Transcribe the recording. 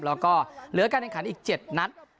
แล้วก็เหลือการแข่งขันอีก๗นัด